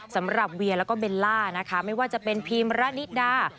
สำหรับเวียแล้วก็เบลล่านะคะไม่ว่าจะเป็นพีมระนิดดา